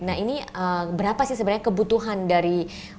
nah ini berapa sih sebenarnya kebutuhan dari